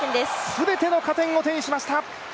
全ての加点を手にしました。